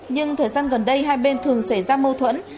nhưng thời gian gần đây hai bên thường xảy ra mâu thuẫn